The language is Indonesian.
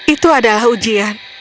itu adalah ujian